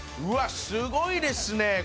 うわっすごいですね